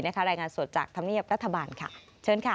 รายงานสดจากธรรมเนียบรัฐบาลค่ะเชิญค่ะ